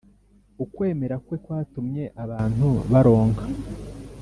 ukwemera kwe kwatumye abantu baronka